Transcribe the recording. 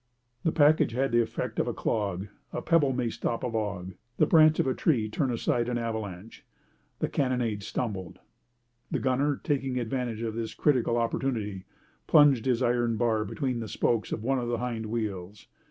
The package had the effect of a clog. A pebble may stop a log, the branch of a tree turn aside an avalanche. The carronade stumbled. The gunner, taking advantage of this critical opportunity, plunged his iron bar between the spokes of one of the hind wheels.